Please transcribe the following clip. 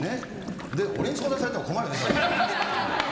俺に相談されても困るよね。